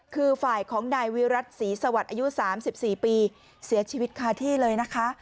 คือฝ่ายของนายวิรัติศรีสวัสดิ์อายุ๓๔ปีเสียชีวิตคาที่เลยนะคะ